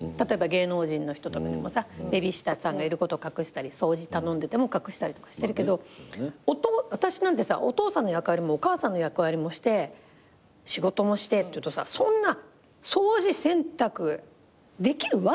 例えば芸能人の人とかでもさベビーシッターさんがいることを隠したり掃除頼んでても隠したりとかしてるけど私なんてさお父さんの役割もお母さんの役割もして仕事もしてっていうとさそんな掃除洗濯できるわけがないのね。